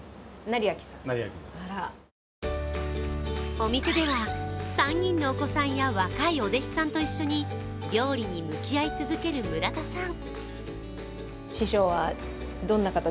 お店では３人のお子さんや若いお弟子さんと一緒に料理に向き合い続ける村田さん。